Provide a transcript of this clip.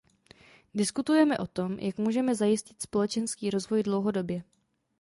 Diskutujeme o tom, jak můžeme zajistit společenský rozvoj dlouhodobě.